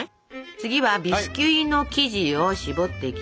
次はビスキュイの生地を絞っていきます。